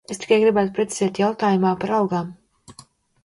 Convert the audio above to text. Es tikai gribētu precizēt jautājumā par algām.